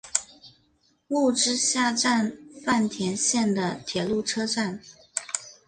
木之下站饭田线的铁路车站。